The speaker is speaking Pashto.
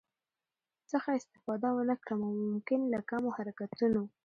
څخه استفاده ونکړم او ممکن له کمو حرکتونو